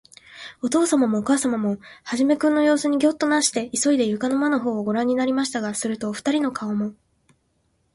おとうさまもおかあさまも、始君のようすにギョッとなすって、いそいで、床の間のほうをごらんになりましたが、すると、おふたりの顔も、